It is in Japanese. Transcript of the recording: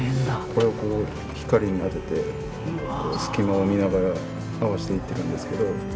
これをこう光に当てて隙間を見ながら合わしていってるんですけど。